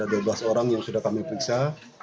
ada dua belas orang yang sudah kami periksa